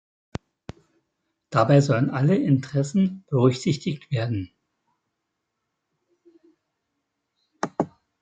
Dabei sollen alle Interessen berücksichtigt werden.